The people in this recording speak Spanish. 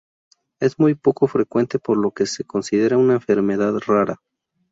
Es muy poco frecuente por lo que se considera una enfermedad rara.